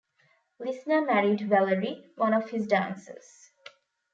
Lisner married Valerie, one of his dancers.